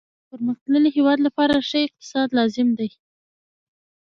د پرمختللي هیواد لپاره ښه اقتصاد لازم دی